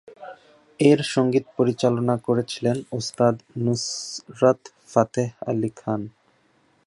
এর সংগীত পরিচালনা করেছিলেন ওস্তাদ নুসরাত ফাতেহ আলী খান।